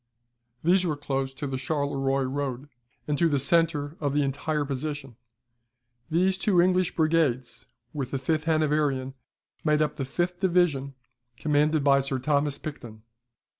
These were close to the Charleroi road, and to the centre of the entire position. These two English brigades, with the fifth Hanoverian, made up the fifth division, commanded by Sir Thomas Picton.